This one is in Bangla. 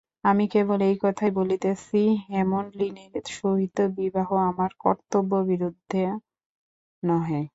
আমি কেবল এই কথা বলিতেছি, হেমনলিনীর সহিত বিবাহ আমার কর্তব্যবিরুদ্ধ নহে।